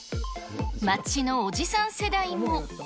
街のおじさん世代も。